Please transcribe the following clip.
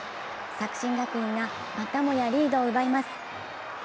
作新学院がまたもやリードを奪います。